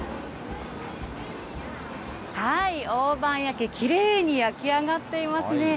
大判焼き、きれいに焼き上がっていますね。